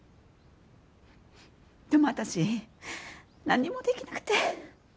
でも私何もできなくて。